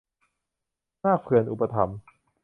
นาคเผื่อนอุปถัมภ์